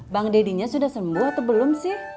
bang dedinya sudah sembuh atau belum sih